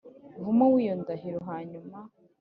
Vumo w iyo ndahiro hanyuma